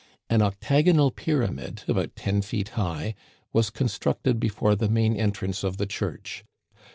An octagonal pyramid, about ten feet high, was constructed before the main entrance of the church.